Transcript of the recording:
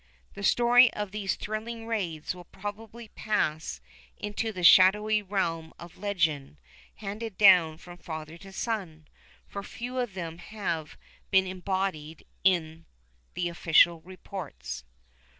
The story of these thrilling raids will probably pass into the shadowy realm of legend handed down from father to son, for few of them have been embodied in the official reports.